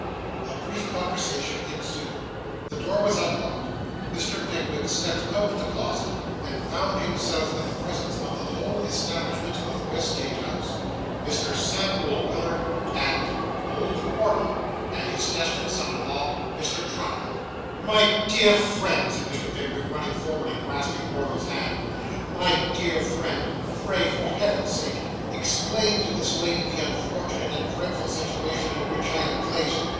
A very brief conversation ensued. The door was unlocked. Mr. Pickwick stepped out of the closet, and found himself in the presence of the whole establishment of Westgate House, Mr Samuel Weller, and old Wardle, and his destined son in law, Mr. Trundle! 'My dear friend,' said Mr. Pickwick, running forward and grasping Wardle's hand, 'my dear friend, pray, for Heaven's sake, explain to this lady the unfortunate and dreadful situation in which I am placed.